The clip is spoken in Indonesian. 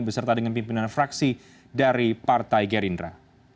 beserta dengan pimpinan fraksi dari partai gerindra